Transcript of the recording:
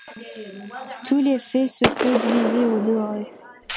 Tout l’effet se produisait au-dehors.